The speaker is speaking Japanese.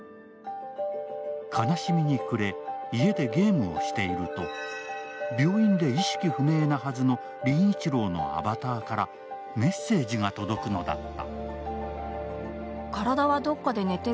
悲しみに暮れ、家でゲームをしていると、病院で意識不明なはずの凛一郎のアバターからメッセージが届くのだった。